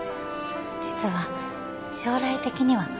実は将来的には